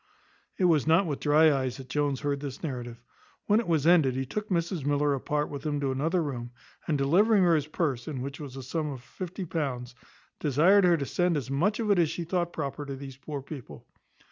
It was not with dry eyes that Jones heard this narrative; when it was ended he took Mrs Miller apart with him into another room, and, delivering her his purse, in which was the sum of £50, desired her to send as much of it as she thought proper to these poor people.